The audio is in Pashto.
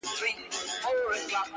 هغه وای نه چي څوم چي ويني سجده نه کوي~